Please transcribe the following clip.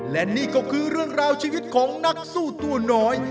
และนี่ก็คือเรื่องราวชีวิตของนักสู้ตัวน้อย